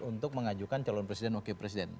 untuk mengajukan calon presiden wakil presiden